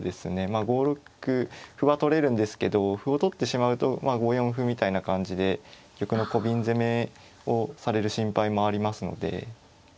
まあ５六歩は取れるんですけど歩を取ってしまうと５四歩みたいな感じで玉のコビン攻めをされる心配もありますので。